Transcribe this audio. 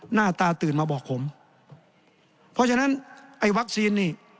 หน้าตาตื่นมาบอกผมเพราะฉะนั้นไอ้วัคซีนนี่